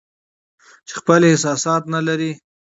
چې خپل احساسات نه لري